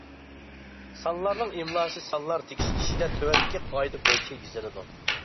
سانلارنىڭ ئىملاسى سانلار تېكىست ئىچىدە تۆۋەندىكى قائىدە بويىچە يېزىلىدۇ.